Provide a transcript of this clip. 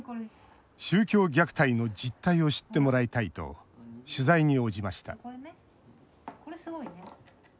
宗教虐待の実態を知ってもらいたいと取材に応じました。